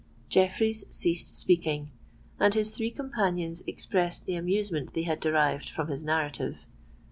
Jeffreys ceased speaking; and his three companions expressed the amusement they had derived from his narrative.